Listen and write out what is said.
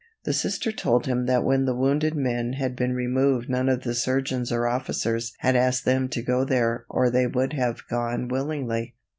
The Sister told him that when the wounded men had been removed none of the surgeons or officers had asked them to go there or they would have gone willingly.